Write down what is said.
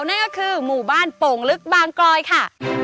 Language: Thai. นั่นก็คือหมู่บ้านโป่งลึกบางกลอยค่ะ